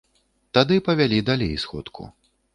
Тады павялі далей сходку.